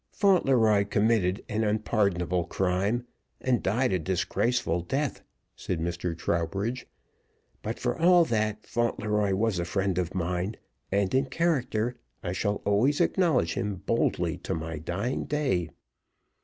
"Fauntleroy committed an unpardonable crime, and died a disgraceful death," said Mr. Trowbridge. "But, for all that, Fauntleroy was a friend of mine, and in that character I shall always acknowledge him boldly to my dying day.